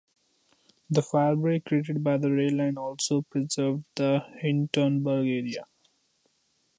The fire break created by the rail line also preserved the Hintonburg area.